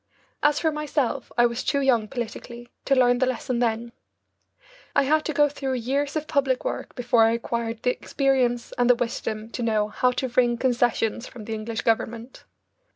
As for myself, I was too young politically to learn the lesson then. I had to go through years of public work before I acquired the experience and the wisdom to know how to wring concessions from the English Government.